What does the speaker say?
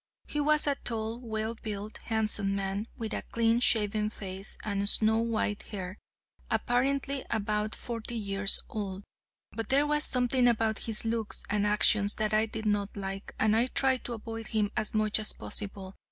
He was a tall, well built, handsome man, with a clean shaven face and snow white hair, apparently about forty years old. But there was something about his looks and actions that I did not like, and I tried to avoid him as much as possible.